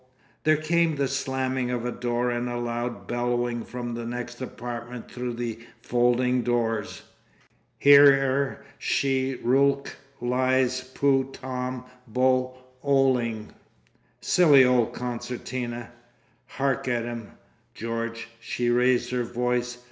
There came the slamming of a door, and a loud bellowing from the next apartment through the folding doors. "Here er Shee Rulk lies Poo Tom Bo—oling." "Silly old Concertina! Hark at him, George!" She raised her voice.